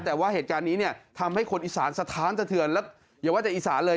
แต่ว่าเหตุการณ์นี้ทำให้คนอีสานสะท้านเถือนอย่าว่าจะอีสานเลย